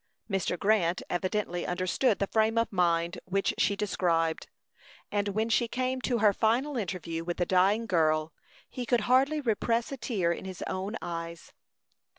Mr. Grant evidently understood the frame of mind which she described, and when she came to her final interview with the dying girl, he could hardly repress a tear in his own eyes.